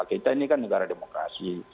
kita ini kan negara demokrasi